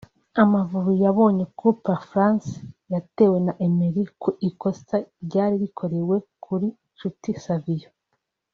Amavubi yabonye coup-franc yatewe na Emery ku ikosa ryari rikorewe kuri Nshuti Savio